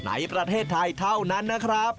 ในประเทศไทยเท่านั้นนะครับ